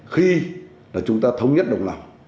khi là chúng ta thống nhất đồng lòng